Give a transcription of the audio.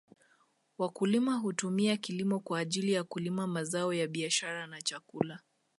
Wakulima hutumia kilimo kwa ajili ya kulima mazao ya biashara na chakula